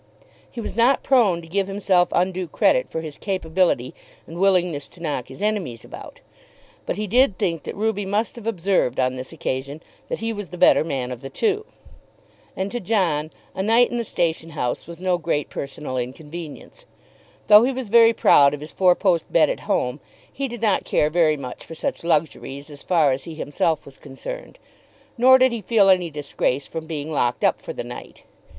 He was not prone to give himself undue credit for his capability and willingness to knock his enemies about; but he did think that Ruby must have observed on this occasion that he was the better man of the two. And, to John, a night in the station house was no great personal inconvenience. Though he was very proud of his four post bed at home, he did not care very much for such luxuries as far as he himself was concerned. Nor did he feel any disgrace from being locked up for the night.